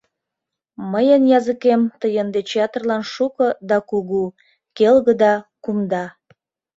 Мыйын языкем тыйын деч ятырлан шуко да кугу, келге да кумда.